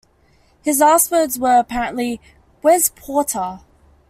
His last words were, apparently, Where's Porter?